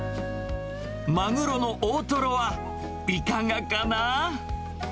マグロの大トロはいかがかな？